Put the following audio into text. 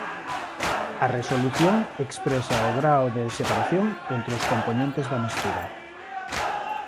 A resolución expresa o grao de separación entre os compoñentes da mestura.